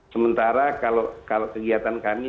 sementara kalau kegiatan kami